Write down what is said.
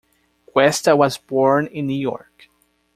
Cuesta was born in New York.